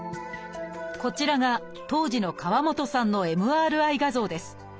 こちらが当時の河本さんのＭＲＩ画像です。